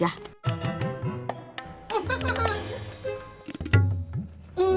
apa begitu bro